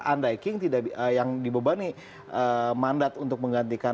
andai king yang dibebani mandat untuk menggantikan